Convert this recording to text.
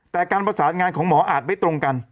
แต่การประสานงานของหมออาจไม่ตรงกัน